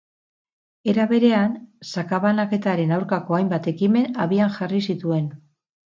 Era berean, sakabanaketaren aurkako hainbat ekimen abian jarri zituen.